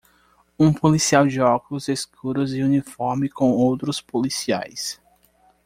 Um policial de óculos escuros e uniforme com outros policiais